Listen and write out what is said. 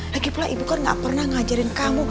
lagipula ibu kan gak pernah ngajarin kamu